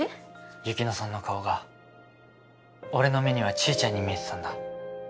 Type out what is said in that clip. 雪乃さんの顔が俺の目にはちーちゃんに見えてたんだ。